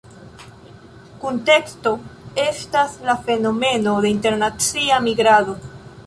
Kunteksto estas la fenomeno de internacia migrado.